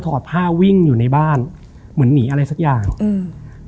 อดผ้าวิ่งอยู่ในบ้านเหมือนหนีอะไรสักอย่างอืม